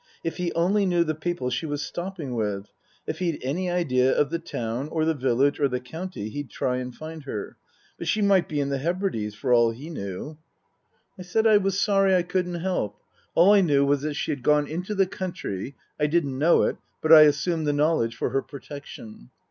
If he only knew the people she was stopping with if he'd any idea of the town or the village or the county, he'd try and find her. But she might be in the Hebrides for all he knew. 55 56 Tasker Jevons JI said I was sorry I couldn't help. All I knew was she had gone into the country (I didn't know it, but I assumed the knowledge for her protection).